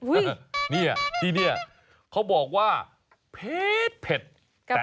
อุ้ยนี่ที่นี่เขาบอกว่าโอ้พีร์ตเผ็ดแต่อร่อย